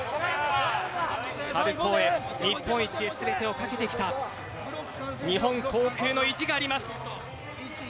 春高へ、日本一へ全てを懸けてきた日本航空の意地があります。